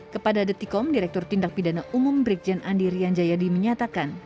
kepada detikom direktur tindak pidana umum brikjen andi rian jayadi menyatakan